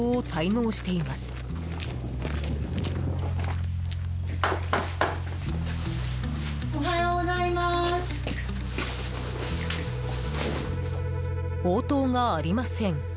応答がありません。